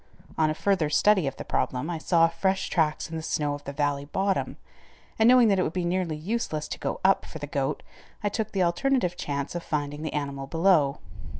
On a further study of the problem, I saw fresh tracks in the snow of the valley bottom, and knowing that it would be nearly useless to go up for the goat, I took the alternative chance of finding the animal below.